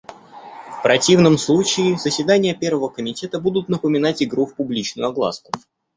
В противном случае заседания Первого комитета будут напоминать игру в публичную огласку.